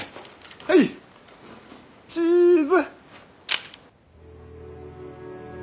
「はいチーズ」